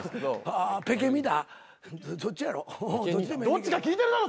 どっちか聞いてるだろ